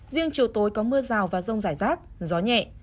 riêng chiều tối có mưa rào và rông rải rác gió nhẹ